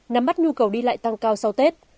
nắm bắt nhu cầu đi lại tăng cao sau tết